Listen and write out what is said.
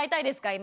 今。